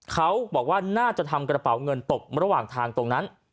เขาบอกว่าน่าจะทำกระเป๋าเงินตกระหว่างทางตรงนั้น